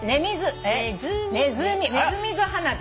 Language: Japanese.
ネズミズ花火。